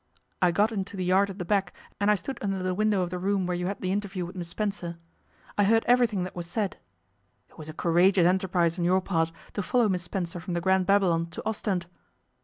I got into the yard at the back, and I stood under the window of the room where you had the interview with Miss Spencer. I heard everything that was said. It was a courageous enterprise on your part to follow Miss Spencer from the Grand Babylon to Ostend.